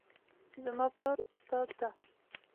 زما پلار استاد ده